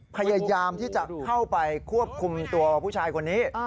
พยายามที่จะเข้าไปควบคุมตัวผู้ชายคนนี้